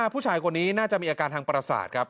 ผู้ชายคนนี้น่าจะมีอาการทางประสาทครับ